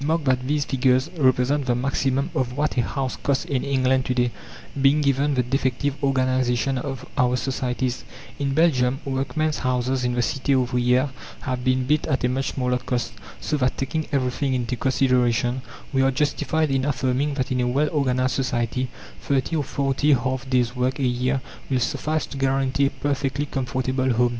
Mark that these figures represent the maximum of what a house costs in England to day, being given the defective organization of our societies. In Belgium, workmen's houses in the cités ouvrières have been built at a much smaller cost. So that, taking everything into consideration, we are justified in affirming that in a well organized society 30 or 40 half days' work a year will suffice to guarantee a perfectly comfortable home.